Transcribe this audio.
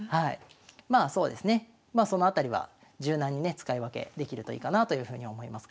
まあそうですねまあその辺りは柔軟にね使い分けできるといいかなあというふうに思いますかね。